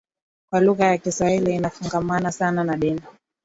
kuwa lugha ya Kiswahili inafungamana sana na dini